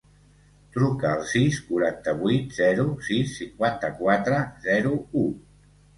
Truca al sis, quaranta-vuit, zero, sis, cinquanta-quatre, zero, u.